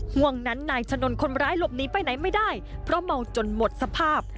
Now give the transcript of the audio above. ห่วงนั้นนายชะนนท์คนร้ายหลบหนีไปไหนไม่ได้เพราะเมาจนหมดสภาพ